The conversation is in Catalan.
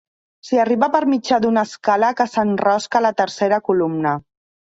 S'hi arriba per mitjà d'una escala que s'enrosca a la tercera columna.